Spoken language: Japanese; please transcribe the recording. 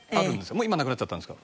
もう今はなくなっちゃったんですが。